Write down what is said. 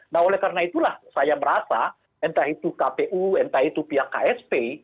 nah oleh karena itulah saya merasa entah itu kpu entah itu pihak ksp